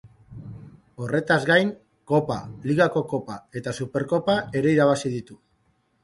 Horretaz gain Kopa, Ligako Kopa eta Superkopa ere irabazi ditu.